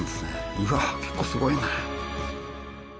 うわぁ結構すごいな。